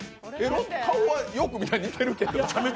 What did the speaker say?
顔はよく見たら似てるけど。